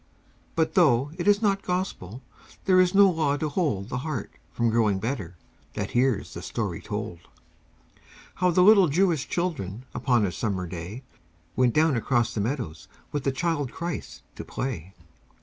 But though it is not Gospel, There is no law to hold The heart from growing better That hears the story told: How the little Jewish children Upon a summer day, Went down across the meadows With the Child Christ to play.